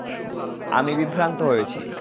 আমি বিভ্রান্ত হয়েছি।